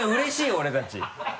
俺たち。